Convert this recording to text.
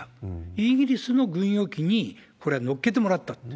イギリスの軍用機にこれは乗っけてもらったって。